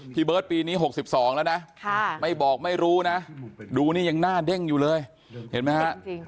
พี่เบิร์ตปีนี้๖๒แล้วนะไม่บอกไม่รู้นะดูนี่ยังหน้าเด้งอยู่เลยเห็นไหมฮะ